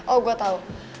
oh gue tahu